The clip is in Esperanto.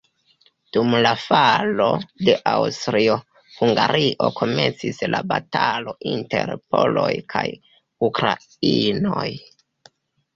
Dum la falo de Aŭstrio-Hungario komencis la batalo inter poloj kaj ukrainoj.